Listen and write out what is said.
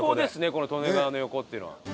この利根川の横っていうのは。